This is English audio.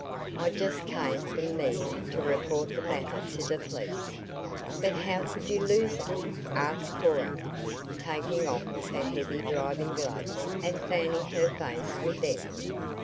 I just came from there to report the matter to the police." "But how could you lose it?" asked Cora, taking off her heavy driving gloves and fanning her face with them.